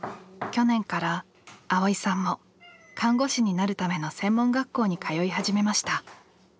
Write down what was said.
去年から蒼依さんも看護師になるための専門学校に通い始めました。